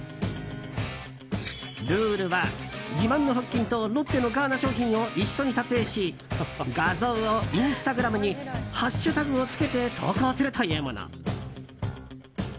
ルールは自慢の腹筋とロッテのガーナ商品を一緒に撮影し画像をインスタグラムにハッシュタグをつけて投稿するというもの。